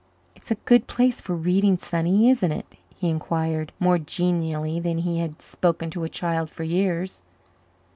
"It's a good place for reading, sonny, isn't it?" he inquired, more genially than he had spoken to a child for years.